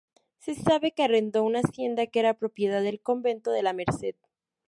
Se sabe que arrendó una hacienda que era propiedad del convento de La Merced.